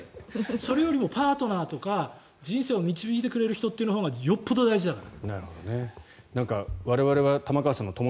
それよりもパートナーとか人生を導いてくれる人のほうがよっぽど大事だから。